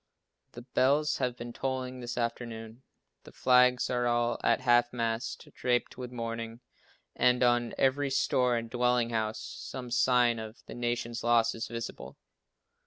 The bells have been tolling this afternoon. The flags are all at half mast, draped with mourning, and on every store and dwelling house some sign of the nation's loss is visible.